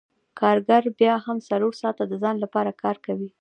کارګر بیا هم څلور ساعته د ځان لپاره کار کوي